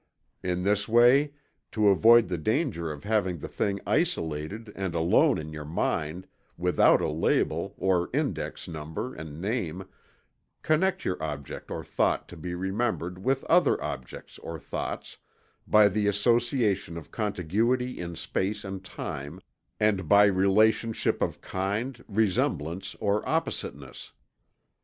In this way to avoid the danger of having the thing isolated and alone in your mind without a label, or index number and name, connect your object or thought to be remembered with other objects or thoughts, by the association of contiguity in space and time, and by relationship of kind, resemblance or oppositeness.